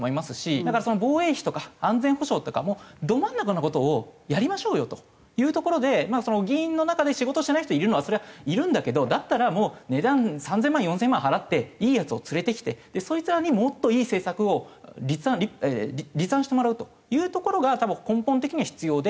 だから防衛費とか安全保障とかもど真ん中の事をやりましょうよというところで議員の中で仕事をしてない人いるのはそりゃいるんだけどだったらもう値段３０００万４０００万払っていいヤツを連れてきてそいつらにもっといい政策を立案立案してもらうというところが根本的には必要で。